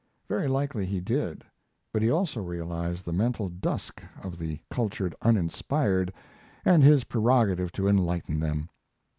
Very likely he did; but he also realized the mental dusk of the cultured uninspired and his prerogative to enlighten them.